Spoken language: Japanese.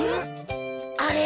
あれ？